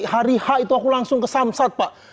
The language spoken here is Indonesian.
hari h itu aku langsung ke samsat pak